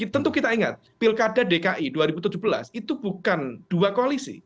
tentu kita ingat pilkada dki dua ribu tujuh belas itu bukan dua koalisi